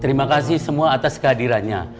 terima kasih semua atas kehadirannya